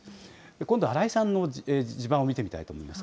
今度は荒井さんの地盤を見てみたいと思います。